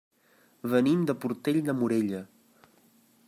Venim de Portell de Morella.